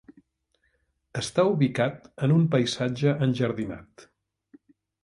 Està ubicat en un paisatge enjardinat.